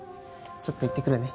ちょっと行ってくるね。